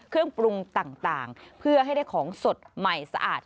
เครื่องปรุงต่างเพื่อให้ได้ของสดใหม่สะอาด